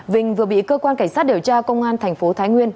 vinh vừa bị cơ quan cảnh sát điều tra công an thành phố thái nguyên